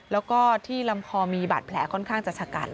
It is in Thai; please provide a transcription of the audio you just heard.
แล้วก็ที่ลำคอมีบาดแผลค่อนข้างจะชะกัน